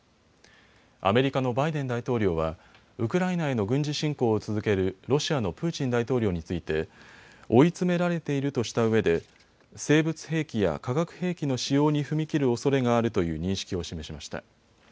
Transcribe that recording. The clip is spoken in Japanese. アメリカのバイデン大統領はウクライナへの軍事侵攻を続けるロシアのプーチン大統領について追い詰められているとしたうえで生物兵器や化学兵器の使用に踏み切るおそれがあるという認識を示しました。